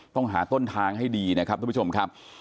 ต้องหาต้นทางให้ดีนะครับทุกผู้ชมครับ